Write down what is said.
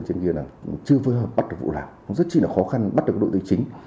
chưa phối hợp bắt được vụ nào rất chi là khó khăn bắt được đội tư chính